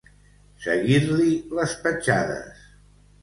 Seguir-li les petjades.